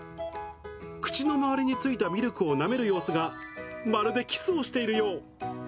口の周りについたミルクをなめる様子が、まるでキスをしているよう。